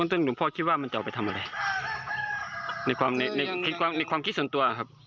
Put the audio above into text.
วงตึ้มหนูพ่อคิดว่ามันจะเอาไปทำอะไรในความคิดส่วนตัว